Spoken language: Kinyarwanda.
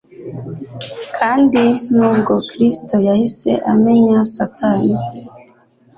Kandi nubwo Kristo yahise amenya Satani